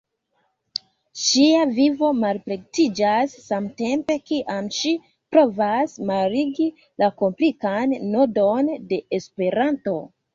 Ŝia vivo malplektiĝas samtempe kiam ŝi provas malligi la komplikan nodon de Esperanto.